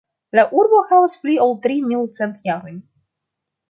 La urbo havas pli ol tri mil cent jarojn.